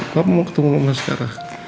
papa mau ketemu mama sekarang